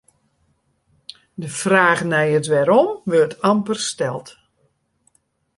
De fraach nei it wêrom wurdt amper steld.